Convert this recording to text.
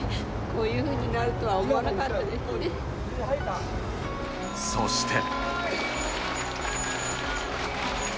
こういうふうになるとは思わなかそして。